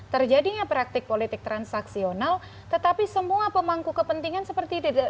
terjadinya praktik politik transaksional tetapi semua pemangku kepentingan seperti